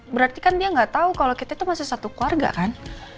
berarti kan dia nggak tahu kalau kita itu masih satu keluarga kan